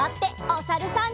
おさるさん。